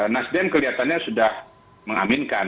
nasdem kelihatannya sudah mengaminkan